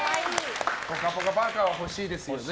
ぽかぽかパーカは欲しいですよね。